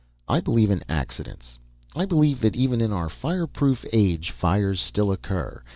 "I believe in accidents. I believe that even in our fireproof age, fires still occur.